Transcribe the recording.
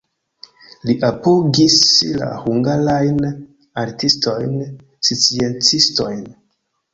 Li apogis la hungarajn artistojn, sciencistojn.